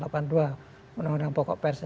undang undang pokok pres